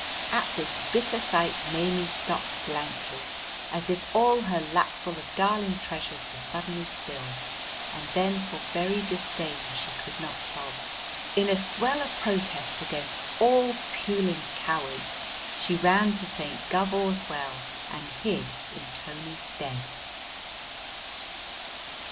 At this bitter sight Maimie stopped blankly, as if all her lapful of darling treasures were suddenly spilled, and then for very disdain she could not sob; in a swell of protest against all puling cowards she ran to St. Govor's Well and hid in Tony's stead.